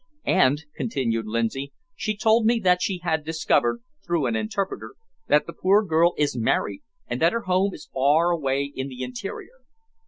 "And," continued Lindsay, "she told me that she had discovered, through an interpreter, that the poor girl is married, and that her home is far away in the interior.